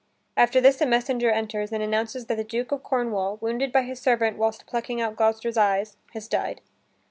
After this a messenger enters, and announces that the Duke of Cornwall, wounded by his servant whilst plucking out Gloucester's eyes, had died.